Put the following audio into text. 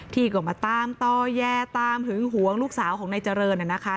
ที่ก็มาตามต่อแย่ตามหึงหวงลูกสาวของนายเจริญนะคะ